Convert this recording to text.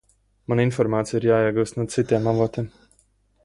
Man informācija ir jāiegūst no citiem avotiem.